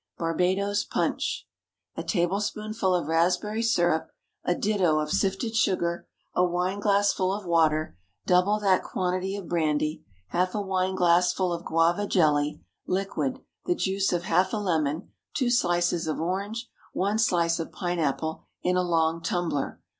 Barbadoes Punch. A tablespoonful of raspberry syrup, a ditto of sifted sugar, a wine glassful of water, double that quantity of brandy, half a wine glassful of guava jelly, liquid, the juice of half a lemon, two slices of orange, one slice of pine apple, in a long tumbler.